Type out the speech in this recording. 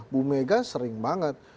bu mega sering banget